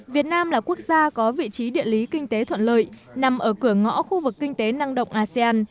việt nam là quốc gia có vị trí địa lý kinh tế thuận lợi nằm ở cửa ngõ khu vực kinh tế năng động asean